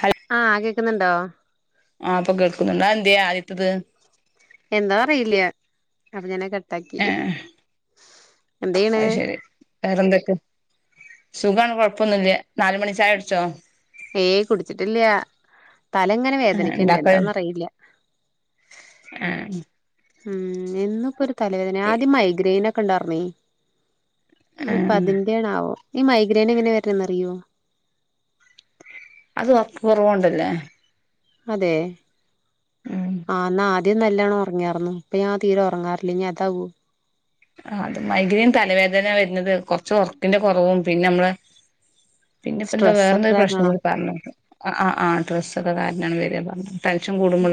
ഹയ് ആഹ് കേക്കുന്നുണ്ടോ ആ പ്പം കേൾക്കുന്നുണ്ട് അതെന്തേ ആദ്യത്തേത് [unintelligible] അപ്പം ഞാനത് കട്ട ട്ടാക്കി അയ് ശരി വേറെ എന്തൊക്കെ സുഖാണ് കൊയപ്പന്നുല്യ ഹേയ് കുടിച്ചിട്ടില്ല. തലങ്ങനെ ആ വേദനിക്കിണ്ട് ഉണ്ടാക്ക എന്താന്ന് അറിയില്ല ആ മ്മ് എന്നും ഇപ്പോ ഒരു തലവേദന ആദ്യം മൈഗ്രേൻ ഒ കണ്ടാർന്നി ആ ന്നി പ്പം അതിന്റെണാവോ? ഈ മൈഗ്രേയ്നെങ്ങെനെ വെരന്നെന്നറിയോ? അത് ഒറക്ക്‌ക്കൊറവൊണ്ടല്ലേ. അതെ ആ ന്നാൽ ദി നല്ലെണ്ണം ഉറങ്ങ്യാർന്ന്. പ്പം ഞാൻ തീരെയൊറങ്ങാറില്ല ഞ്ഞിയതാവോ? ആ അത് മൈഗ്രേൻ തലവേദന വര്ന്നത് കൊറച്ച് ഒറ്ക്കിന്റെ കൊറവും പിന്നെ നമ്മളെ പിന്നെപ്പന്താ സ്ട്രെസ്സൊക്കെ വെറെന്തോര് കാരണാണോ പ്രശ്നക്കൂടി പറഞ്ഞേക്ക്‌ ആ ആഹ് ഡ്രസ്സൊക്കെകാരൻ വരെ എന്നൊക്കെ പറഞ്ഞ ടെൻഷൻ കൂടുമ്പൾ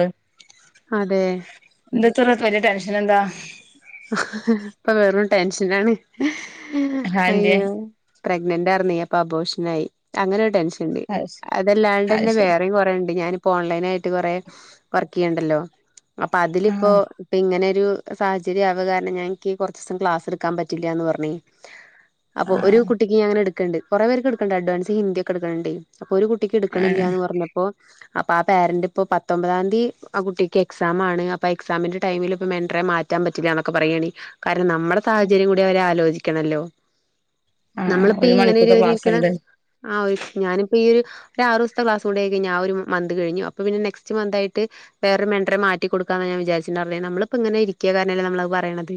അതെ നിർ ഇത്ര കാര്യ ടെൻഷനെന്താ? ആഹ് പ്പ വെറും ടെൻഷനാണ്. [unintelligible] അതെന്തേ അയ്യോ പ്രഗ്നന്റാരുന്നേ അപ്പോ അബോഷനായി അങ്ങനെ ടെൻഷ ണ്ട്. അത് ശരി അതല്ലാണ്ട് അത് ന്നെ ശരി വേറെയും കൊറെയൊണ്ട് ഞാനി ഇപ്പ ഓൺലൈനായിട്ട് കൊറെ വർക്ക് ചെയണ്ടല്ലോ. അപ്പ ആ അതിലിപ്പോ പ്പിങ്ങെനെ ഒര് സാഹച തിരി ആയ കാരണം ഇൻക്കീ കൊറെച്ച് സം ക്ലാസ്സെടുക്കാപ്പറ്റില്ലാന്ന് പറഞ്ഞേ പ്പോ ആ ഒര് കുട്ടിക്ക് ഞാനിങ്ങനെ എടു ണ്ട്, കൊറെപ്പേർക്ക് കൊടുക്കണൊണ്ട് അഡ്വാൻസ്. ഹിന്ദിയെക്കെയെടുകണ്ട് പ്പ ഒര് കുട്ടിക്ക് ആ എടുക്കണില്ലാന്ന് പറഞ്ഞപ്പോ അപ്പ ആ പേരെന്റിപ്പോ പത്തൊമ്പതാതീ ആ കുട്ടിക്ക് എക്സാമാണ്. അപ്പോ എക്സാമിന്റെ ടൈമിലിപ്പ മെന്റെറെ മാ റ്റാൻ പറ്റില്ലന്നെക്കെപ്പറയാണ് കാ നമ്മെടെ സാഹചര്യം കൂടിയവരാലോചി ക്കണല്ലോ ആ ഒരു നമ്മളിപ്പയിങ്ങെനൊരു മണിക്കൂർത്തെ ക്ലാസ് രിക്കണ ഉണ്ട് ആയൊക്ക് ഞാനിപ്പയി ഒര് ആറ് സ്സ്ത്തെ ക്ലാസ്സൂടെയായി കഴിഞ്ഞാ ആ ഒര് മന്ത് കഴിഞ്ഞു. അപ്പോപ്പിന്നെ നെക്സ്റ്റ് മന്തായിട്ട് വെറൊരു മെന്റെറെ മാറ്റി കൊടുക്കാമെന്ന ഞാൻ വിചാരിച്ചുണ്ടാർന്നേ നമ്മെളിപ്പയിങ്ങെനെയിരി കേ തന്നെയല്ലേ നമ്മളത് പറയണത്.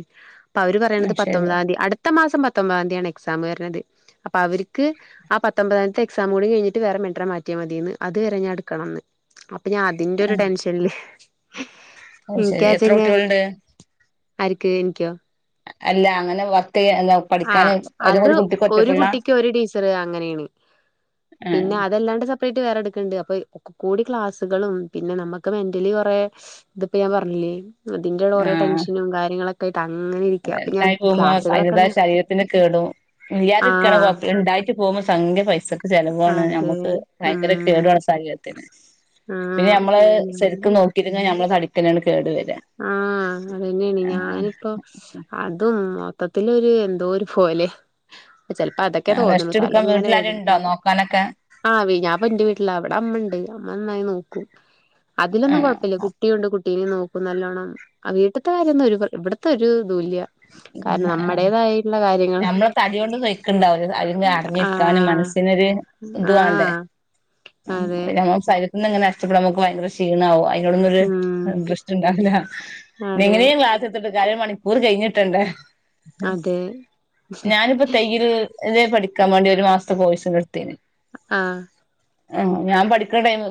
പ്പ അവെര് പറയണത് അത് ശരി പത്തൊമ്പതാം തി. അടുത്ത മാസം പത്ത് പത്തൊമ്പതതിയാണ് എക്സാമ് വരെണെത്. അപ്പ അവറിക്ക് ആ പത്തൊമ്പതാതിത്തെ എക്സാമുക്കൂടി കഴിഞ്ഞിട്ട് വേറെ മെന്റെറെ മാറ്റിയാൽ മതിയെന്ന്. അത് വെരെ ഞാൻ എടുക്കണം ന്ന്. പ്പ അതിന്റൊര് ടെൻഷനില് അത്ശരി എത്രോട്ടികളൊണ്ട് ആര്ക് എനിക്യോ അങ്ങനെ വർക്ക് ചെയ്യ ആ പഠിക്കാന് അതും അത് ഒരു കുട്ടിക്ക് ഒര് ഒറ്റക്കുള്ള കുട്ടിക്ക് ഒര് ടീച്ചറ് അങ്ങെനെണ് ആഹ് പിന്നെ അതല്ലാണ്ട് സപ്രേറ്റ് വെറെ ക്ക്ണ്ട് അപ്പൊ കൂടി ക്ലാസ്സുകളും പിന്നെ നമ്മക് മെന്റലി കൊറെ ഇതിപ്പോ ഞൻ പറഞ്ഞില്ലേ അതിന്ടെടെ കൊറെ ൻഷനും കാര്യ അത ഉണ്ടായി പോമ്പോ അതായ ഒന്ന് ശരീരത്തിന് കേടും ആഹ് [unintelligible] ഉണ്ടായിട്ട് പോമ്പോ സംഖ്യ പൈസക്ക് ചെലവാണ് അതെ നമ്മക്ക് ഭയങ്കര ഉം കേടാണ് ശരീരത്തിന് പിന്നെ ആഹ് മ്മള് സരിക്കും ഞാന് നോക്കിറ്റല്ല നമ്മള തടി [unintelligible] കേടു വരാ ആഹ് അതന്നെയാണ് ആ ഞാനിപ്പോ അതും മൊത്തത്തിലൊര് എന്തോ ഒരു പോലെ ചില പ്പ അതൊക്കെ തോന്നള്ളൂ റെസ്റ്റ് തല എടുക്കാൻ എങ്ങനെ വീട്ടിലാരുണ്ടോ വേദനിക്കണ്ട് നോക്കാനൊക്കെ ആ ഞാൻ ഇപന്റെ വീട്ടിലാ അവിടെ അമ്മണ്ട് മ്മന്നായി നോക്കും അതിലൊന്നും ആഹ് കൊഴപ്പില്ല കുട്ടിയുണ്ട് കുട് ട്ടി നോ ക്കു നല്ലോണം ആ വീട്ടത്തെ കാര്യന്നൊരു ഇവിടത്തെ ഒരു ഇതുംല്ല കാരണം നമ്മുടേതായിട്ടുള്ള കാര്യങ്ങൾ നമ്മളെ തടിയൊണ്ട് തോയ്ക്കണ്ടാവില്ല അട അടങ്ങിരിക്കാനും ആഹ് മനസ്സിനൊരു ഇതു വാണ്ടേ ആഹ് അതെ നമ്മ ഒന്ന് ഇങ്ങനെ കഷ്ടപ്പാടാമ്പോ നമുക്ക് ഭയങ്കര ക്ഷിണാവും അ [unintelligible] ഒരു ഉം റെസ്റ്റ് ണ്ടാവില്ല പിന്നെ അതെ എങ്ങനെയും ക്ലസ്സെടുത്തിട്ട് ഒരഅര മണിക്കൂർ കഴിഞ്ഞി ട്ടണ്ട് അതെ ഞാനിപ്പോ തയ്യല് ഇതേ പഠിക്കാൻ വാണ്ടി ഒരു മാസത്തെ കോഴ്സ് എടുത്തീന് ആ ആ ഞാൻ പഠിക്കുന്ന ടൈമ്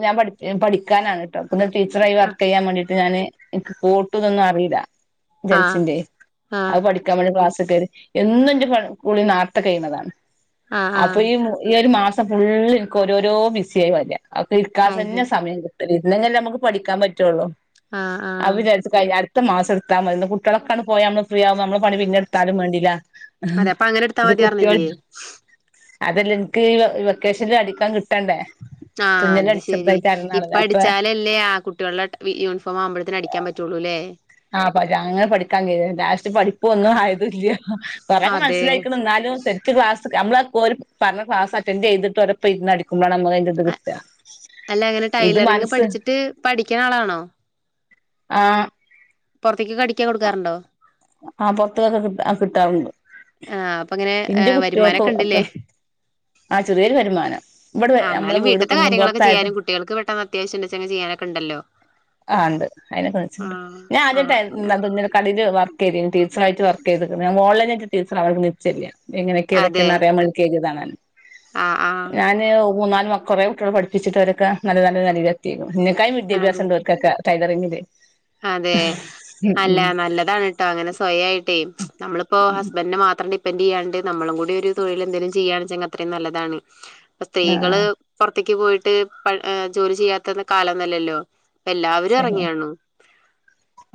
ഞാൻ പഠിക്കാനാണ് ട്ടോ ഒന്ന് ടീച്ചറായി ആഹ് വർക്ക് ചെയ്യാൻ വേണ്ടി ട്ട് ഞാന് എനിക്ക് കൂട്ട് ഇതൊന്നും അറില്ല ജൻസിന്റെ ആഹ് അത് പഠിക്കാ വേണ്ടി ക്ലാസ് ക്കേറി എന്നും ന്റെ കുളി നാത്ത കഴ്ണതാണ് ആഹ് അപ്പൊ ആഹ് ഈ ഈ ഒരു മാസം ഫുള്ള് നിക്ക് ഓരോരോ ബിസിയായി വരാ അവക്ക് ഇരിക്കാ അത് തന്നെ സമയം- ഇരിന്നെങ്കില്ലെ നമുക്ക് പഠിക്കാൻ പറ്റുവുള്ളൂ ആഹ് ആഹ് അവര എടുത്ത് കയ്യടത്ത് പിന്നെ ടത്ത മാസമതി. പിന്നെ കുട്ട്യാളൊക്കെ പോയ നമ്മ ഫ്രീ ആവുമ്പോ നമ്മളെ പണി പിന്നെ ഇട്താലും വേണ്ടീല അതപ്പം അങ്ങനെട് താ മത്യാർന്നില്ലേ അതല്ല ഇൻക് ഈ വെക്കേഷൻല് അടിക്കാൻ കി - ആ അത് ശരി. അറിയുന്നാളല്ലേ ഇപ്പൊ അപ്പൊ അടിച്ചാലല്ലേ കുട്ട്യാളെ യൂണിഫോം ആവുമ്പോത്തിന് അടിക്കാൻ പറ്റോള്ളൂ ലെ ആ അങ്ങനെ പഠിക്കാൻ. ലാസ്റ്റ് പഠിപ്പ് ഒന്നും ആയതോല്യ കുറെയൊക്കെ അതെ മനസ്സിലായിക്ക്‌ണ് ന്നാലും ശരിക്ക് ക്ലാസ്സ്‌ ക്ക്‌ ങ്ങമ്മള് ഓല് പറഞ്ഞക്ലാസ്സ്‌ അറ്റൻഡ് ചെയ്തിട്ട് ഓലോപ്പം ഇരിന്നു അടിക്കു - അല്ല അങ്ങനെ ഇത് ടൈലറിങ് മനസ്സ് പഠിച്ചിട്ട് ഇപ്പൊ അടിക്കിണ ആളാണോ ആ പൊറത്തേക്കൊക്കെ അടിക്കാൻ കൊടുക്കാറുണ്ടോ ആ പുറത്തേക്കൊക്കെ കിട്ടാറുണ്ട് ആഹ് അപ്പൊ ഇങ്ങനെ ന്റെ ഏഹ് കുട്ട്യാൾക് വരുമാനൊക്കെ ഒക്കെ ഇണ്ട്ല്ലേ? ആ ചെറിയൊരു വരുമാനം. ഇവിടെ ആഹ് അമ്മളെ എന്നാലും വീട് വീട്ട്ത്തെ കാര്യങ്ങളൊക്കെ കുന്നുംപുറത്തായത് ചെയ്യാനും കുട്ടികൾക്ക് പെട്ടെന്ന് അത്യാവശ്യം ഇണ്ട്ച്ചെങ്കി ചെയ്യാനൊക്കെ ഇണ്ടല്ലോ. ആ ണ്ട് അയിലൊക്കെ മെച്ചം ണ്ട്. ആഹ് ഞാൻ ആഹ് അങ്ങനാ ആദ്യം കടയിൽ ഇത് ടീച്ചർ ആയിട്ടും വർക് ചെയ്തക്ക്ണ്. ഓൺലൈൻ ആയിട്ട് ടീച്ചർ ആവാൻ നിച്ചല്ല എങ്ങനൊക്കെ ഏതൊക്കെ അതെ ന്നറിയാം വേണ്ടി ചെയ്തതാണ് ഓൻ ആഹ് ആഹ് ഞാന് മൂന്നു കൊറെ കുട്ട്യാളെ പട്പ്പിച്ചിട്ട് ഓലൊക്കെ നല്ല നല്ല നിലയിലെത്തീ ന്നെക്കാളും അതെ വിദ്യാഭ്യാസണ്ട് ഓൽ കൊക്കെ ടൈലറിങ്ങിൽ അതെ നല്ല നല്ലതാണ് അങ്ങനെ സ്വയം ആയിട്ട്. ഞമ്മളിപ്പം ഹസ്ബൻഡ്‌ നെ മാത്രം ഡിപ്പ- പ്പെന്റ് ചെയ്യാണ്ട് നമ്മളും കൂടി ഒരു തൊഴിൽ എന്തേലും ചെയ്യാണ് ച്ചെങ്കി അത്രയും നല്ലതാണ് സ്ത്രീകൾ ആഹ് പുറ - തേക്ക് പോയിട്ട് ജോലി ചെയ്യാത്ത കാലം ഒന്നും അല്ലല്ലോ എല്ലാവരും ശരിയാ ഇറങ്ങിയാണു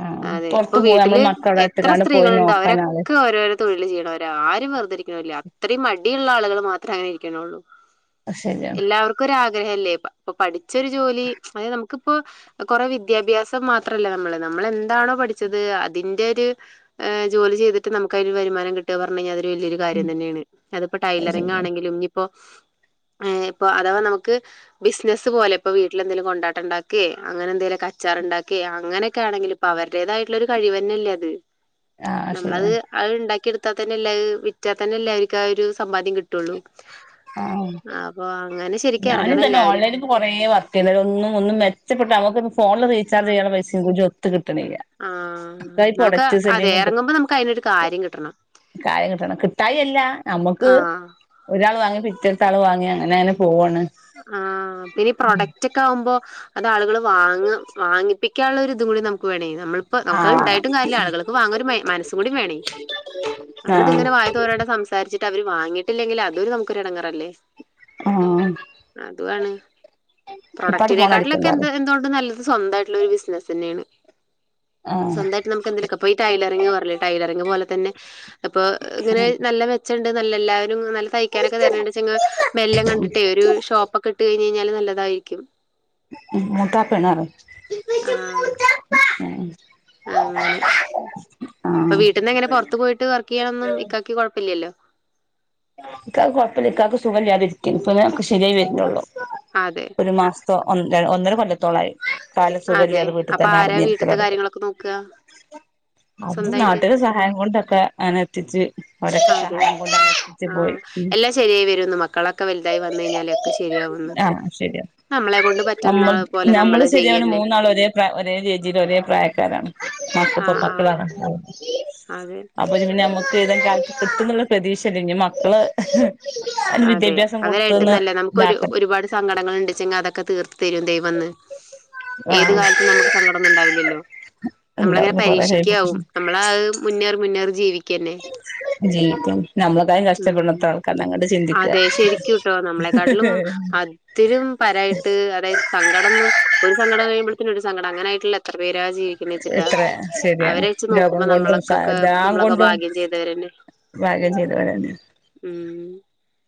ആഹ് അതെ ഇപ്പൊ പൊറത്ത് പോയി വീട്ടിൽ നമ്മള് മക്കളെ എത്ര ഇട്ടുകാണ്ട് സ്ത്രീകൾ പോയി ഉണ്ടോ നോക്കാൻ ആള് അവരൊക്കെ ഓരോരോ തൊഴിൽ ചെയ്യുന്നവരാ ആരും വെറുതെ ഇരിക്കുന്നൊരില്ല. അത്രയും അ - ഈ ള്ള ആളുകൾ മാത്രേ അങ്ങനെ ഇരിക്കണോള്ളൂ അത് ശരിയാണ് എല്ലാവർക്കും ഒരാ- ങ്ങനല്ലെ പ്പം പഠിച്ച ഒരു ജോലി നമുക്കിപ്പം കുറേ വിദ്യാഭ്യാസം മാ - ത്രല്ല നമ്മള് നമ്മള് എന്താണോ പഠിച്ചത് അതിന്റെയൊരു ജോലി ചെയ്തിട്ട് നമുക്ക് അതിനൊരു വരുമാനം കിട്ട്കാ പറഞ്ഞ വലിയൊരു കാര്യം തന്നെ ആണ്. അതിപ്പോ അത് ടൈലറിങ് ശരിയാ ആണെങ്കിലും ഞ്ഞിപ്പോ ഏ പ്പൊ അഥവാ നമുക്ക് ബിസിനസ് പോലെ പ്പം വീട്ടിലെന്തേലും കൊണ്ടാട്ടം ണ്ടാക്കേ അങ്ങനെ എന്തേലുമൊക്കെ അച്ചാർ ണ്ടാ- ക്കെ അങ്ങനെയൊക്കെ ആണെങ്കിൽ പ്പം അവരുടേതായിട്ടുള്ള ഒരു കഴിവ് തന്നെ അല്ലെ അത് ആഹ് നമ്മളത് ശരിയാണ് അത്ണ്ടാക്കിയെട് ത്താത്തന്നെല്ല വിറ്റാത്തന്നെല്ലെ അവർക്ക് ആ ഒര് സമ്പാദ്യം കിട്ടൊള്ളൂ ആഹ് അപ്പോ അങ്ങ ഞാനും തന്നെ ഓൺലൈനിപ്പോ കുറേ വർക്ക് ചെയ്ത് ഒന്നും ഒന്നും മെച്ചപ്പെട്ട നമുക്ക് ഫോൺല് ആ -ചാർജ് ചെയ്യാന്ള്ള പൈസ [unintelligible] ട്ട്ണില്ല ആ ഞാ ഈ നമുക്ക് പ്രൊഡക്റ്റ് അതെ സെല്ലിങ്ങൊക്കെ ഇറങ്ങുമ്പോൾ നമുക്ക് അതിനൊരു കാര്യം കിട്ടണം [unintelligible] കായകിട്ടണം കിട്ടായല്ല നമ്മുക്ക് ആ ഒരാൾ വാങ്ങി ന്റട്താള് വാങ്ങിയാണ് അങ്ങനെ [unintelligible] ആഹ് ഈ പ്രൊഡക്റ്റൊക്കെ ആവുമ്പോ അത് ആളുകൾ വാങ്ങ വാങ്ങിപ്പിക്കാനുള്ള ഒരിതും കൂടി നമ്ക്ക് വേണേ നമ്മളിപ്പോ നമുക്കത് ആഹ് ഇണ്ടായിട്ടും കാര്യല്ല ആളുകൾക്ക് വാങ്ങാൻ ഒരു മൈ മനസ്സും കൂടി വേണേ നമ്മളിത് ആഹ് ഇങ്ങനെ വായ്തോരാണ്ട് സംസാരിച്ചിട്ട് അവര് വാങ്ങിയിട്ടില്ലെങ്കിൽ അതൊരു നമുക്കൊരു ഇടങ്ങറല്ലേ ആഹ് അതുവാണ് ഇപ്പാട് ഫോൺ അടിക്ക്‌ണ്ട് പ്രൊഡക്റ്റിനേക്കാട്ടിലൊക്കെ പറിയ് എന്ത്‌ എന്തൊകൊണ്ടും നല്ലത് സ്വന്തമായിട്ടുള്ളൊരു ബിസിനസ്സെന്നെയാണ് ആഹ് സ്വന്തായിട്ട് നമുക്ക് എന്തെലൊക്കെ പ്പൊ ഈ ടൈലറിങ് പറഞ്ഞില്ലേ ടൈലറിങ് പോലെ തന്നെ ഇപ്പൊ ഇങ്ങനെ നല്ല മെച്ച [unintelligible] നല്ല തയ്ക്കാനൊക്കെ തെരല്ണ്ടെച്ചെങ്ങാ മെല്ല ഒരു ഷോപ്പൊക്കെ ഇട്ട് കയിഞ്ഞിട്ട് കയിഞ്ഞാല് നല്ലതായിരിക്കും മൂത്താപ്പയാണാള് ആഹ് [inaudible] അങ്ങനെ പ്പൊ ആഹ് വീട്ടീന്ന് എങ്ങനെ പൊറത്ത് പോയിട്ട് വർക്ക് ചെയ്യാനൊന്നും ഇക്കാക്ക് കൊഴപ്പെയ്‌ല്ലല്ലോ ഇക്കാക്ക് കൊഴപ്പില്ല ഇക്കാക്ക് സുഖല്ലാതിരിക്ക്യേന് ഇപ്പൊ ഒക്കെ ശരിയായി വര്ന്നേള്ളൂ അതെ ഒരു മാസത്തോ ഒ ഒന്നര കൊല്ല [inaudible] അതെ അപ്പൊ ആരാ വീട്ട്ത്തെ തുടങ്ങി കാര്യങ്ങളൊക്കെ നോക്ക അത് നാട്ടില് സഹായം കൊണ്ടൊക്കെ അങ്ങനെ എത്തിച്ച് അവരൊക്കെ അതെ സഹായം കൊണ്ട [unintelligible] ആഹ് എല്ലാം ശരിയായി വരുംന്ന് മക്കളൊക്കെ വലുതായി വന്ന് കഴിഞ്ഞാല് ഒക്കെ ശരിയാവുംന്ന് ആഹ് ശരിയാ നമ്മളെ കൊണ്ട് പറ്റുന്ന നമ്മൾ പോലെ ഞമ്മൾ നമ്മള് ശരിയാവാന് ചെയ്യന്നെ മൂന്നാളും ഒരേ പ്രയത്തില് ഒരേ രീതീല് ഒരേ പ്രായക്കാരാണ് ഞങ്ങകിപ്പോ ആഹ് പത്ത് ന ആഹ് [inaudible] അതെ അപ്പജ് പിന്നെ മ്മക്ക് ഇതൊക്കെ കിട്ടുന്നുള്ള പ്രതീക്ഷല്ല ഇനി മ [unintelligible] അതേ അതായിടാനല്ലേ നമ്മുക്കൊരു ഇതാക്കണം ഒരു പാട് സങ്കടം ഉണ്ടെങ്ക തീർത്ത് തരും വന്ന് ഏതു ആഹ് കാലാത്ത് സങ്കടം ഒന്നും ഉണ്ടാവില്ലല്ലോ നമ്മളെ ഇങ്ങനെ ഉണ്ടാവും കൊറേ പരീക്ഷിക്കാവും കഴിയുമ്പോ നമ്മളിങ്ങനെ മുന്നേറി മുന്നേറി ജീവിക്കന്നേ ജീവിക്കും നമ്മളെക്കായും മ് കഷ്ടപ്പെടുന്നത്ര ആൾക്കാരാണ് അങ്ങട്ട് ചിന്തിക്കുക അതേ ശരിക്കൂട്ടോ അതിലും പരായിട്ട് സങ്കടം ഒരു സങ്കടം കഴിയുമ്പോ ഒരു സങ്കടായിട്ടുള്ള ഇവരാര് ജീവിക്കുന്നേ വെച്ചിട്ടാ എത്ര ശരിയാണ് അവരെ വച്ച് ലോകം നോക്കുമ്പോ കൊണ്ടും നമ്മളെക്കൊക്കെ എല്ലാം നമ്മളൊക്കെ കൊണ്ടും ഭാഗ്യം ചെയ്തവര മ്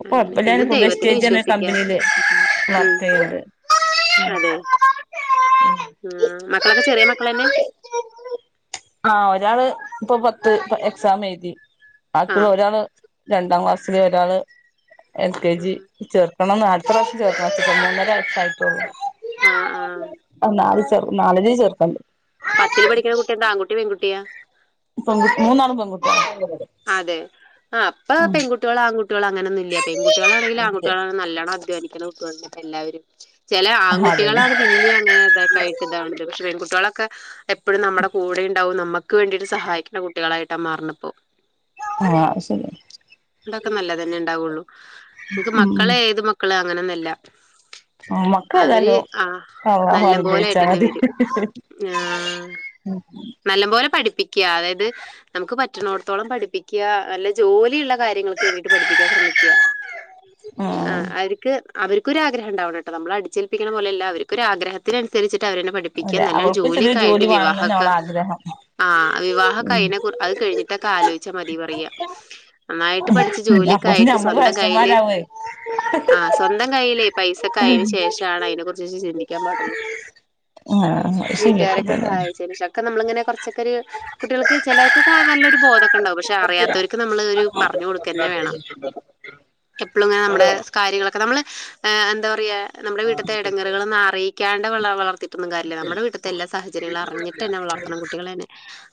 അപ്പൊ അപ്പല്ല ഞാനിപ്പോദ്ദേശിച്ചജാണ് കമ്പനിയില് ഉം വർക്ക് ചെയത് അതെ ആഹ് മക്കളൊക്കെ ചെറിയ മക്കളന്നെ ആ ഒരാള് ഇപ്പൊ അത് ഇപ്പോ എക്സാം എഴുതി. അത് ആഹ് ഒരാള് രണ്ടാം ക്ലാസ് ചെറിയഒരാള് എൽ കെ ജി ആഹ് ചേ ഒന്ന് ഒന്ന് അടുത്ത പ്രാവശ്യം ചേർക്കുംഅച്ചിട്ടാ ഒന്നഴ ആഴ്ച്ചേ ആയിട്ടോള്ളൂ ആഹ് ഒന്നത് നാലഴി ചേർക്കണണ്ട് പത്തില് പഠിക്കണ കുട്ടിയുണ്ട് ആൺകുട്ടി പെൺകുട്ടിയാ പ്പം മൂന്നാളും പെൺകുട്ടിയാ അതെ ആ അപ്പ പെൺകുട്ടിയോള് ആൺകു കുട്ടികള് അങ്ങനൊന്നില്യ പെൺകുട്ടികളാണെങ്കില് ആൺകുട്ടികളാണ് നല്ലോണം അധ്വാനിക്കണം തന്നെ എല്ലാവരും ചില അതെ ആൺകുട്ടികളാണ് പിന്നെ അങ്ങനെ ഇതൊക്കെയായിട്ട് ഇതാവണത് പക്ഷെ പെൺകുട്ടിയോള് ക എപ്പോഴും നമ്മുടെ കൂടെുണ്ടാവും നമ്മുക്ക് വേണ്ടിട്ട് സഹായിക്കണ കുട്ടികളായിട്ടാ മാറണപ്പോ ആഹ് അത് ശരി ഇണ്ടൊക്കെ നല്ലതുതന്നെ ഉണ്ടാവുള്ളു നിക്ക് ഉം മക്കളെ ഏത് മക്കള അങ്ങനൊന്നല്ല ഉം മക്കള് അവര് ഏതായാലും ആ അള്ളാഹു നല്ല അനുഗ്രഹിച്ചാ പോലെയ്ട്ടെന്നെ മതി വരും ആ നല്ലപോലെ പഠിപ്പിക്കാ അതായത് നമുക്ക് പറ്റ് ചുന്നോട് ത്തോളം പഠിപ്പിക്കുക അല്ല ജോലിയുള്ള കാര്യങ്ങൾക്ക് വേണ്ടിട്ട് പഠിപ്പിക്കാൻ ശ്രമിക്കുക ആ അവര്ക്ക് അവർക്കൊരാഗ്രഹം ഇണ്ടാവനണെട്ടോ നമ്മളടിച്ചേൽപ്പിക്കണ പോലെയല്ല അവരിക്കൊരാഗ്രത്തിനനുസരിച്ച് ട്ടവരെന്നെ പഠിപ്പിക്ക അല്ല നല്ലൊരു അവൾക്ക് ചെറിയ ജോലിയൊക്കെ ജോലി ആയിട്ട് വേണംന്ന് തന്നെ വിവാഹൊക്കെ അവളെ ആഗ്രഹം ആഹ് വിവാഹൊക്കെ അത് കഴിഞ്ഞിട്ട് ആലോചിച്ചാ മതി പറയാ. നന്നായിട്ട് പഠിച്ച് ജോലിയൊക്കെ അപ്പോത്തിന് ആയിട്ട് നമ്മള് സ്വന്തം കയ്യില് വയസ്സന്മാരാവേ ആഹ് സ്വന്തം കയ്യില് പൈസയൊക്കെ ആയീന് ശേഷമാണ് അതിനെ കുറിച്ച് ചിന്തിക്കാൻ പാടുള്ളൂ ആഹ് ആഹ് അത് ശരിയൊക്കെ വീട്ടുകാരൊക്കെ തന്നെ സഹായിച്ചതിന് ശേഷം ഒക്കെ നമ്മളിങ്ങനെ കൊറച്ചൊക്കെരു കുട്ടികൾക്ക് ചിലർക്ക് കാണാനുള്ളൊരു [unintelligible] ക്കെണ്ടാവും പക്ഷെ അറിയാത്തവർക്ക് നമ്മള് ഒരു പറഞ്ഞു കൊടുക്കന്നെ വേണം. എപ്പളും ഇങ്ങനെ നമ്മുടെ കാര്യങ്ങളൊക്കെ നമ്മള് ആഹ് എന്താറയാ നമ്മുടെ വീട്ടിത്തെ ഇടങ്ങേറ്കളൊന്നു അറിയിക്കാണ്ട് വള വളർത്തീട്ടൊന്നും കാര്യല്ല. നമ്മുടെ വീട്ടിത്തെ എല്ലാ സാഹചര്യങ്ങളും അറിഞ്ഞിട്ട്ന്നെവളർത്തണം കുട്ടികളെന്നെ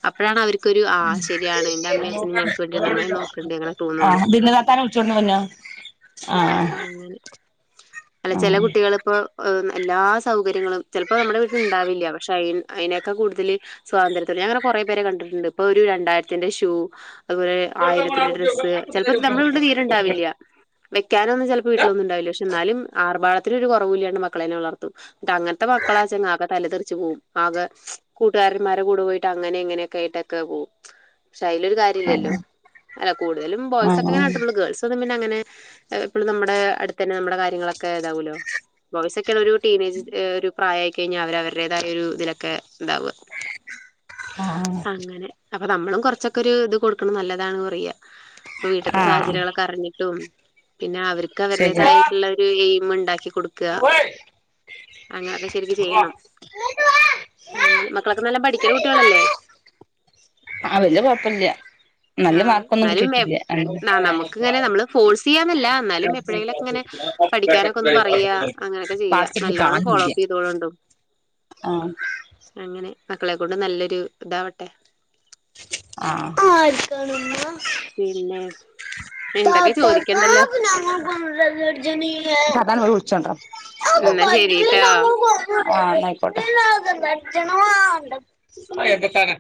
അപ്പഴാണ് അവര് ക്കൊരു ആ ശരിയാണ് എന്റെ അമ്മീം അച്ഛനും ഞങ്ങക്ക് വേണ്ടി നന്നായി നോക്ക്‌ണ്ട് അങ്ങനെ തോന്നുള്ളൂ ആഹ് ദിൽന താത്താനെ വിളിച്ചോണ്ട് വന്നോ ആഹ് അങ്ങനെ അല്ല ചെല ആഹ് കുട്ടികളിപ്പോ എല്ലാ സൗകര്യങ്ങളും ചിലപ്പോ നമ്മുടെ വീട്ടിലുണ്ടാവില്ല പക്ഷെ അ അതിനേക്കാൾ കൂടുതൽ സ്വാതന്ത്ര്യത്തില് ഞാനങ്ങനെ കുറേ പേരെ കണ്ടിട്ടുണ്ട് ഇപ്പൊ ഒരു രണ്ട് രണ്ടായിരത്തിന്റെ ഷൂ അതുപോലെ ആയിരത്തിന്റെ ഡ്രസ്സ് ചിലപ്പോ നമ്മുടെ വീട്ടില് തീരെണ്ടാവില്ല വെയ് ക്കാനൊന്നും ചിലപ്പൊ വീട്ടി ലൊന്നുംണ്ടാകില്ല പക്ഷെ എന്നാലും ആർബാഡ ത്തിനും കുറവൂല്ലാണ്ട് മക്കളെ നെ വളർത്തും ത അങ്ങനത്തെ മക്കളാച്ച ആകെ തല തെറി- ച്ച് പോകും ആകെ കൂട്ടുകാരന്മാരെ കൂടെ പോയിട്ട് അങ്ങനെ ഇങ്ങനെയൊക്കെ ആയിട്ടൊക്കെ പോകും പക്ഷെ അയ്ലൊരു കാര്യല്ലല്ലോ അല്ല കൂടുതലും ബോയ്സൊക്കെ ക്കെങ്ങെനെ ആഹ് കാട്ടുള്ളൂ ഗേൾസ് ഒന്നും അങ്ങനെ എപ്പളും നമ്മുടെ അടുത്തന്നെ നമ്മടെ കാര്യങ്ങളൊക്കെ ഇതാവോല്ലോ ബോയ്സങ്ങനെ ഒരു ടീനേജ് ന്റെ ഒരു പ്രായായി കഴിഞ്ഞാൽ അവര് അവരുടേതായ ഒരു ഇതിലൊക്കെ ഉണ്ടാവുക ആഹ് അങ്ങനെ അപ്പൊ നമ്മളും കൊറച്ചൊക്കെ ഒരു ഇത് കൊടുക്കണം നല്ലതാണ് പറയ ഇപ്പൊ വീട്ടിത്തെ ആഹ് സാഹചര്യങ്ങളൊക്കെ അറിഞ്ഞിട്ടും പിന്നെ അവർ ശരി ക്ക്അവരുടേതായിട്ടുള്ള ഒരു എയിം ഉണ്ട് ണ്ടാക്കി കൊടുക്ക അങ്ങനൊക്കെ ശരിക്ക് ചെയ്യണം മക്കളൊക്കെ നല്ല പഠിക്ക്‌ ണ കു കുട്ടികളല്ലേ ആ വല്യ കുഴപ്പല്ല ആഎന്നാലും നമുക്ക് ഇങ്ങനെ നമ്മള് ഫോഴ്സ് ചെയ്യാന്നല്ല എന്നാലും എപ്പഴെങ്കിലൊക്കെ ഇങ്ങനെ പഠിക്കാനൊക്കെ ഒന്ന് പറയാ അങ്ങനെയൊക്കെ ചെയ്യ വാട്സപ്പിൽ നല്ലോണം ഫോളോ കാണുന്നില്ല അപ്പ് ചെയ്തോളോണ്ടു ആഹ് അങ്ങനെ മക്കളെ കൊണ്ട് നല്ലൊരു ഇദാവട്ടെ അആ [unintelligible] [unintelligible] [inaudible] പിന്നെ എന്തൊക്കെ ചോദിക്കണ്ടല്ലോ എന്നാ ശരിട്ടോ ആ ന്നായി പോട്ടെ ശരി പുഴവക്കത്താണ്